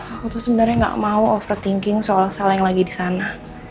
aku tuh sebenarnya gak mau overthinking soal sel yang lagi di sana